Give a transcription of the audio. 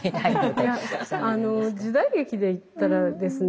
時代劇で言ったらですね